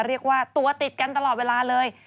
เรียกว่าตัวติดกันตลอดเวลาเลย